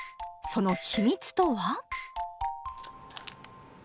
その秘密とは？